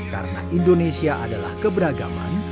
karena indonesia adalah keberagaman